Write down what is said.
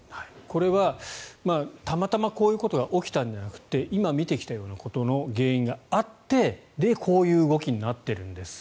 これはたまたまこういうことが起きたんじゃなくて今、見てきたようなことの原因があってこういう動きになっているんです。